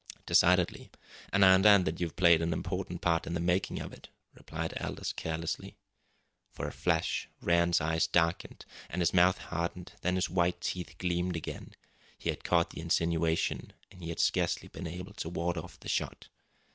"Decidedly. And I understand that you've played an important part in the making of it," replied Aldous carelessly. For a flash Rann's eyes darkened, and his mouth hardened, then his white teeth gleamed again. He had caught the insinuation, and he had scarcely been able to ward off the shot.